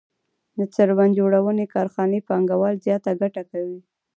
د څرمن جوړونې کارخانې پانګوال زیاته ګټه کوي